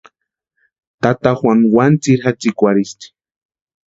Tata Juanu wani tsiri jatsikwarhisti.